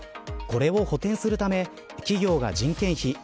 これを補てんするため企業が人件費